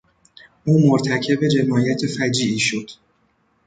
او مرتکب جنایت فجیعی شد.